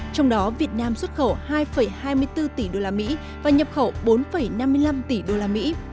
trong đó việt nam xuất khẩu hai hai mươi bốn tỷ đô la mỹ và nhập khẩu bốn năm mươi năm tỷ đô la mỹ